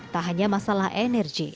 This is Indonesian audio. tak hanya masalah energi